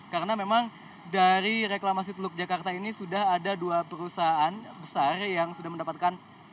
karena memang dari reklamasi teluk jakarta ini sudah ada dua perusahaan besar yang sudah mendapatkan